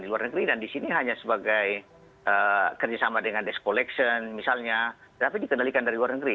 di luar negeri dan di sini hanya sebagai kerjasama dengan desk collection misalnya tapi dikendalikan dari luar negeri